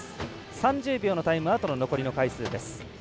３０秒のタイムアウトの残りの回数です。